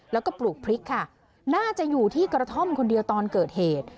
แล้วก็ปลูกพริกค่ะน่าจะอยู่ที่กระท่อมคนเดียวตอนเกิดเหตุ